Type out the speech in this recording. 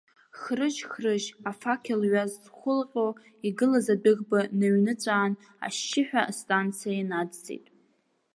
Хрыжь-хрыжь афақь-лҩа зхәылҟьо игылаз адәыӷба ныҩныҵәаан, ашьшьыҳәа астанциа инадҵит.